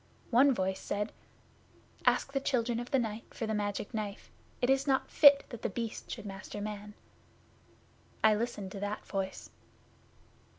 One voice said, "Ask the Children of the Night for the Magic Knife. It is not fit that The Beast should master man." I listened to that voice.